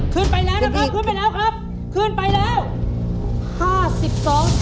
ขึ้นไปแล้วครับขึ้นไปแล้วครับ